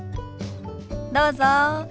どうぞ。